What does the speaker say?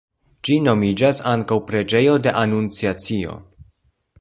Ĝi nomiĝas ankaŭ "preĝejo de Anunciacio".